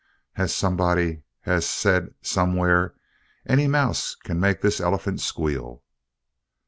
As somebody has said somewhere, "Any mouse can make this elephant squeal."